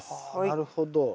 なるほど。